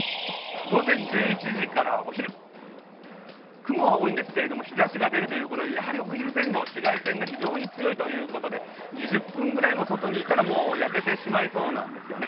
午前１１時からお昼、雲は多いんですけれども、日ざしが出るということでやはりお昼前後紫外線が非常に強いということで２０分ぐらいも外にいたら、もう焼けてしまいそうなんですよね。